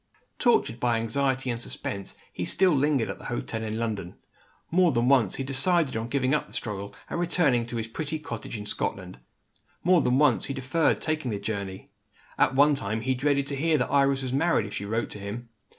Tortured by anxiety and suspense, he still lingered at the hotel in London. More than once, he decided on giving up the struggle, and returning to his pretty cottage in Scotland. More than once, he deferred taking the journey. At one time, he dreaded to hear that Iris was married, if she wrote to him.